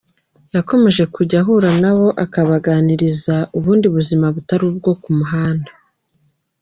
Yakomeje kujya ahura nabo akabaganiriza ubundi buzima butari ubwo ku muhanda.